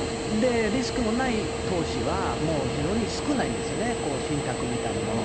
リスクのない投資は、もう非常に少ないんですよね、信託みたいなもの。